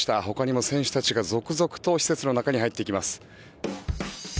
ほかにも選手たちが続々と施設の中に入っていきます。